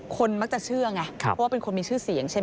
คนมักจะเชื่อไงเพราะว่าเป็นคนมีชื่อเสียงใช่ไหม